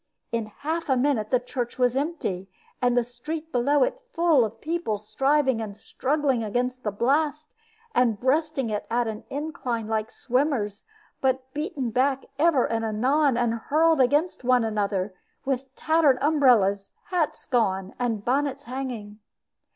In half a minute the church was empty, and the street below it full of people, striving and struggling against the blast, and breasting it at an incline like swimmers, but beaten back ever and anon and hurled against one another, with tattered umbrellas, hats gone, and bonnets hanging.